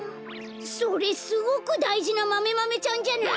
それすごくだいじなマメマメちゃんじゃない！